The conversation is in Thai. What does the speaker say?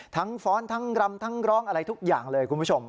ฟ้อนทั้งรำทั้งร้องอะไรทุกอย่างเลยคุณผู้ชม